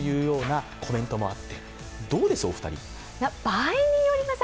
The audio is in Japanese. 場合によります。